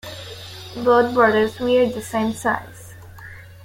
Both brothers wear the same size.